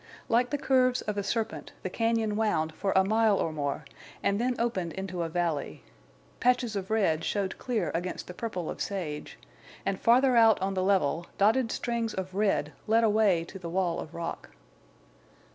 Like the curves of a serpent the cañon wound for a mile or more and then opened into a valley. Patches of red showed clear against the purple of sage, and farther out on the level dotted strings of red led away to the wall of rock.